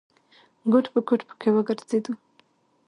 ګوټ په ګوټ پکې وګرځېدو.